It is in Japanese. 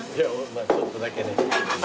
まあちょっとだけね。